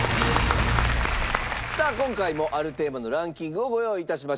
さあ今回もあるテーマのランキングをご用意致しました。